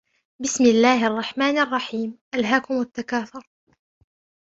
بسم الله الرحمن الرحيم ألهاكم التكاثر